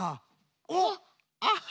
おっアハ！